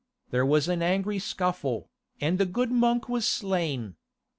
There was an angry scuffle, and the good monk was slain.